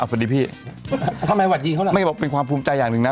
เอาสักทีพี่ทำไมหวัดยีเขาล่ะไม่เป็นความภูมิจาอย่างหนึ่งนั้น